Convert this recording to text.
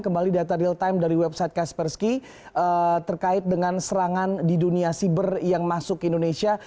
kembali data real time dari website kaspersky terkait dengan serangan di dunia siber yang masuk ke indonesia